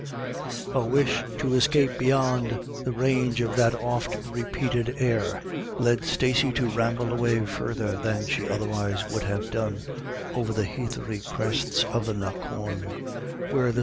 904 BETWEEN TWO LAD Y DA YS. 205 A wish to escape beyond the range of that oft repeated air led Stacey to ramble away further than she otherwise would have done over the heathery crests of the knockawn, where the.